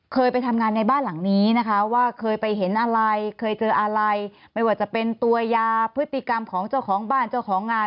เคยไปทำงานในบ้านหลังนี้นะคะว่าเคยไปเห็นอะไรเคยเจออะไรไม่ว่าจะเป็นตัวยาพฤติกรรมของเจ้าของบ้านเจ้าของงาน